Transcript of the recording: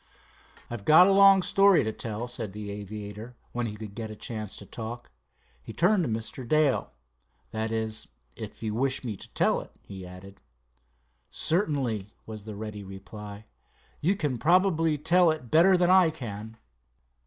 "I've got a long story to tell," said the aviator, when he could get a chance to talk. He turned to Mr. Dale. "That is, if you wish me to tell it," he added. "Certainly," was the ready reply. "You can probably tell it better than I can."